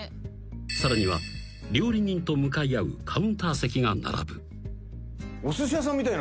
［さらには料理人と向かい合うカウンター席が並ぶ］